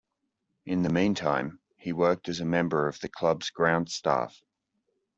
In the meantime, he worked as a member of the club's ground staff.